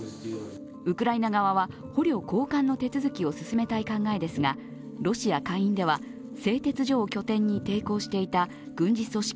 ウクライナ側は捕虜交換の手続きを進めたい考えですがロシア下院では製鉄所を拠点に抵抗していた軍事組織